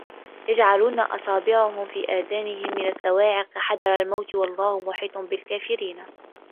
يَجْعَلُونَ أَصَابِعَهُمْ فِي آذَانِهِمْ مِنَ الصَّوَاعِقِ حَذَرَ الْمَوْتِ ۚ وَاللَّهُ مُحِيطٌ بِالْكَافِرِينَ